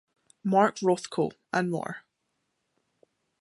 Mark Rothko, and more.